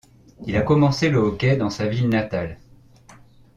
Il a commencé le hockey dans sa ville natale.